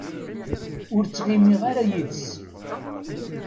Ur ttɣimiɣ ara yid-s.